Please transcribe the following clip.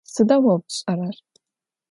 Sıda vo pş'erer?